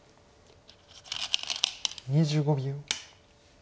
２５秒。